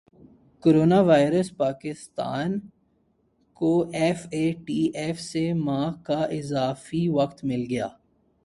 corona virus Pakistan کو F A T F سے ماہ کا اضافی وقت مل گیا